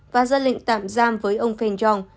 và ra lệnh tạm giam với ông phen jong